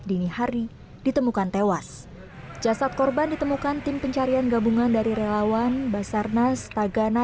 dini hari ditemukan tewas jasad korban ditemukan tim pencarian gabungan dari relawan basarnas tagana